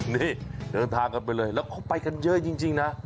นี่เดินทางกันไปเลยแล้วเขาไปกันเยอะจริงนะ